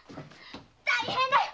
大変だよ